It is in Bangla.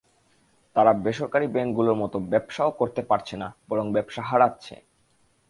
তারা বেসরকারি ব্যাংকগুলোর মতো ব্যবসাও করতে পারছে না, বরং ব্যবসা হারাচ্ছে।